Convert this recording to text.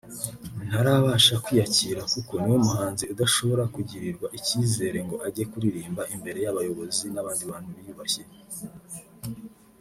ntarabasha kwiyakira kuko niwe muhanzi udashobora kugirirwa icyizere ngo ajye kuririmba imbere y’abayobozi n’abandi bantu biyubashye